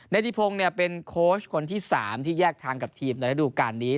ธิพงศ์เป็นโค้ชคนที่๓ที่แยกทางกับทีมในระดูการนี้